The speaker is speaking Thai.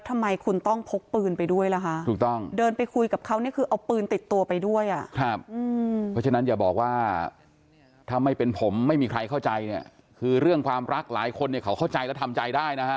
ถ้าไม่เป็นผมไม่มีใครเข้าใจเนี่ยคือเรื่องความรักหลายคนเนี่ยเขาเข้าใจและทำใจได้นะฮะ